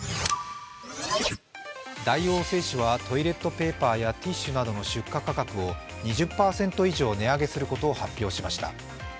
大王製紙はトイレットペーパーやティッシュなどの出荷価格を出荷価格を２０％以上値上げすることを発表しました。